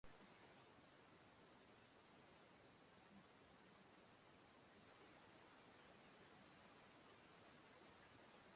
Gertaera hori oso interesgarria izan da, geologoek itsas azpiko zenbait gertakari hobeto ulertzeko.